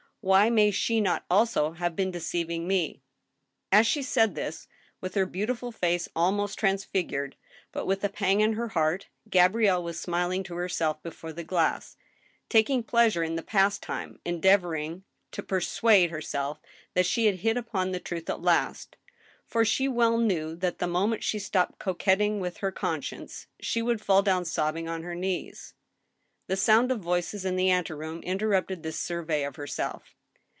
Why may she not ,aIso have been deceiving me ?*' As she said this, with her beautiful face almost transfigured, but with a pang in her heart, Gabrielle was smiling to herself before the glass, taking pleasure in the pastime, endeavoring to persuade ISO THE STEEL HAMMERi herself that she had hit upon the truth at last, for she well knew that, the moment she stopped coquetting with her conscience, she would fall down sobbing on her knees. The sound of voices in the anteroom interrupted this survey of herself.